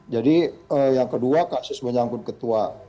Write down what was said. jadi yang kedua kasus menyangkut ketua kpk